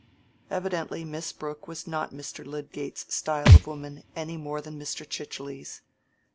Evidently Miss Brooke was not Mr. Lydgate's style of woman any more than Mr. Chichely's.